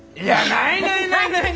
ないない。